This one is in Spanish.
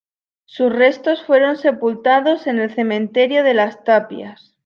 Sus restos fueron sepultados en el cementerio de Las Tapias.